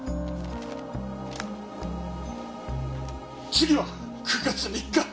次は９月３日。